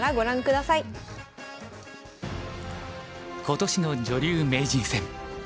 今年の女流名人戦。